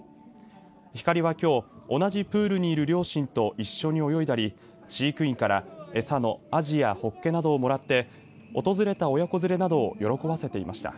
ひかりはきょう同じプールにいる両親と一緒に泳いだり、飼育員から餌のあじやホッケなどをもらって訪れた親子連れなどを喜ばせていました。